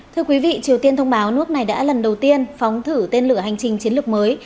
thưa quý vị triều tiên thông báo nước này đã lần đầu tiên phóng thử tên lửa hành trình chiến lược mới